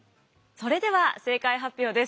それでは正解発表です。